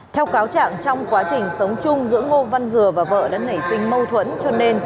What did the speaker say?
theo cáo trạng trong quá trình sống chung giữa ngô văn dừa và vợ đã nảy sinh mâu thuẫn cho nên